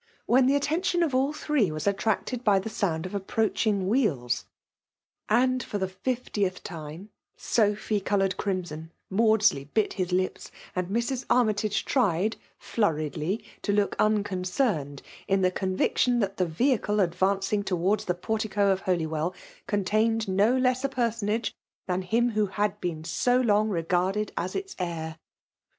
when the attention of all three was attracted by the sound of approaching wheels; and, for the fiftieth time, Sophy coloured crimson, Mauds ley bit his lips, and Mrs. Armytage tried» flurriedly, to look unconcerned, in the convic tion that the vehicle advancing towards the portico of Holywell contained no less a per sonage than him who had been so long re« garded as its heir